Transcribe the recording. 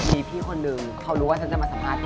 มีพี่คนหนึ่งเขารู้ว่าฉันจะมาสัมภาษณ์